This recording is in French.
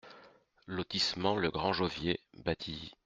Lotissement Le Grand Jovier, Batilly